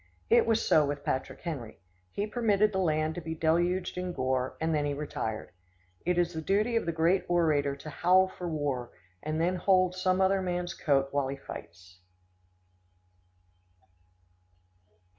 It was so with Patrick Henry. He permitted the land to be deluged in gore, and then he retired. It is the duty of the great orator to howl for war, and then hold some other man's coat while he fights.